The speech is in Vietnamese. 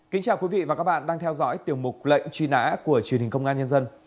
kính chào quý vị và các bạn đang theo dõi tiểu mục lệnh truy nã của truyền hình công an nhân dân